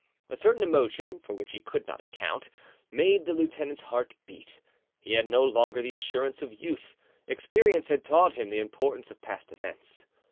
A certain emotion, for which he could not account, made the lieutenant's heart beat: he had no longer the assurance of youth; experience had taught him the importance of past events.